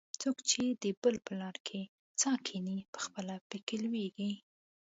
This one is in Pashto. څوک چې د بل په لار کې څا کیني؛ پخپله په کې لوېږي.